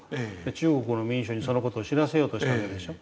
中国の民衆にその事を知らせようとしたわけでしょ。